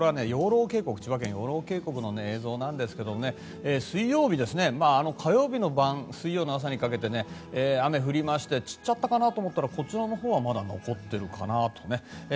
千葉県の養老渓谷の映像ですが火曜日の晩、水曜日の朝にかけて雨降りまして散っちゃったかなと思ったらこちらはまだ残っているかなと。